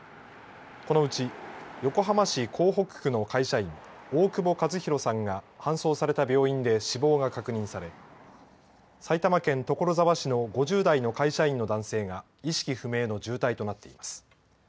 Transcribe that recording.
このうち横浜市港北区の会社員大久保和弘さんが搬送された病院で死亡が確認され埼玉県所沢市の５０代の会社員の男性が意識不明の渋滞となっています。